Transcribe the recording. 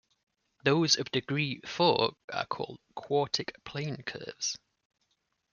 Those of degree four are called quartic plane curves.